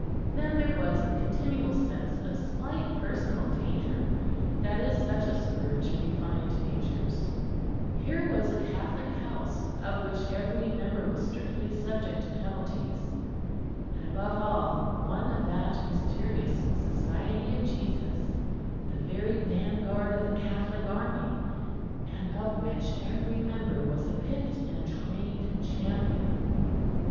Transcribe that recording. Then there was the continual sense of slight personal danger that is such a spur to refined natures; here was a Catholic house, of which every member was strictly subject to penalties, and above all one of that mysterious Society of Jesus, the very vanguard of the Catholic army, and of which every member was a picked and trained champion.